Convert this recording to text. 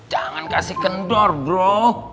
jangan kasih kendor bro